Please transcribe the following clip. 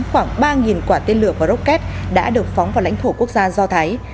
khoảng ba quả tên lửa và rocket đã được phóng vào lãnh thổ quốc gia do thái